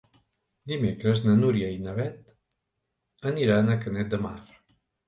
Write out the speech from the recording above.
Dimecres na Núria i na Beth aniran a Canet de Mar.